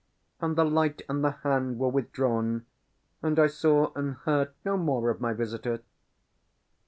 and the light and the hand were withdrawn, and I saw and heard no more of my visitor."